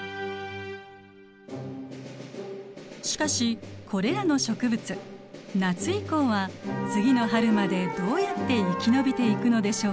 しかしこれらの植物夏以降は次の春までどうやって生き延びていくのでしょうか。